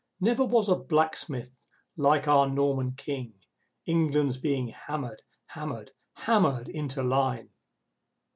Never was a blacksmith like our Norman King, England's being hammered, hammered, hammered into line!